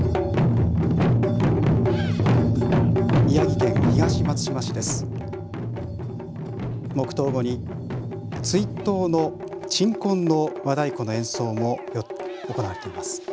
宮城県東松島市です。